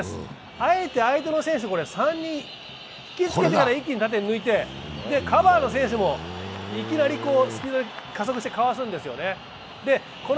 あえて相手の選手、３人引きつけてから一気に縦に抜いて、カバーの選手もいきなり加速してかわすんですよねほ。